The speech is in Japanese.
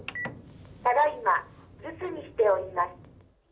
ただいま留守にしております。